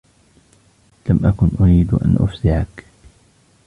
لم أكن أريد أن أفزعك.